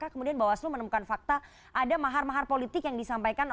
kemudian bawaslu menemukan fakta ada mahar mahar politik yang disampaikan